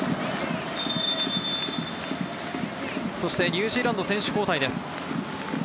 ニュージーランド選手交代です。